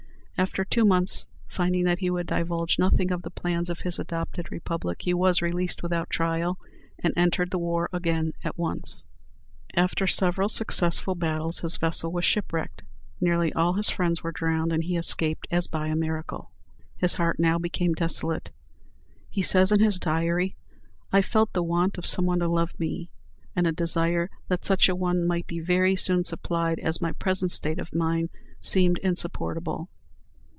After two months, finding that he would divulge nothing of the plans of his adopted republic, he was released without trial, and entered the war again at once. After several successful battles, his vessel was shipwrecked, nearly all his friends were drowned, and he escaped as by a miracle. His heart now became desolate. He says in his diary, "I felt the want of some one to love me, and a desire that such a one might be very soon supplied, as my present state of mind seemed insupportable."